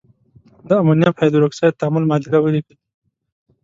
د امونیم هایدرواکساید تعامل معادله ولیکئ.